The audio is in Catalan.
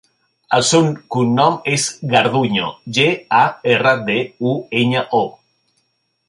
El seu cognom és Garduño: ge, a, erra, de, u, enya, o.